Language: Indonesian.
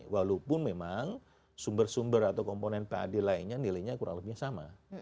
walaupun memang sumber sumber atau komponen pad lainnya nilainya kurang lebihnya sama